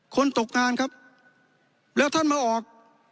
ตกงานครับแล้วท่านมาออก